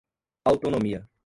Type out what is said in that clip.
autonomia